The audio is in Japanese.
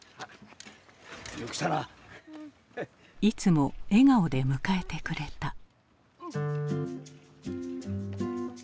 いつも笑顔で迎えてくれた。